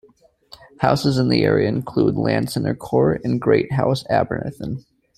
Houses in the area include Llansannor Court and Great House, Aberthin.